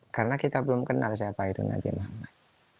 karena kita belum kenal siapa itu nabi muhammad